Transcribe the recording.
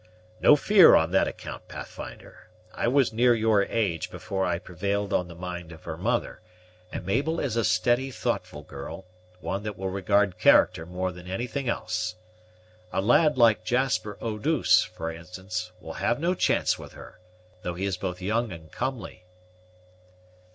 "No fear on that account, Pathfinder. I was near your age before I prevailed on the mind of her mother; and Mabel is a steady, thoughtful girl, one that will regard character more than anything else. A lad like Jasper Eau douce, for instance, will have no chance with her, though he is both young and comely."